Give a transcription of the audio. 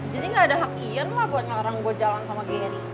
jadi gak ada hak ian lah buat nyarang gue jalan sama geri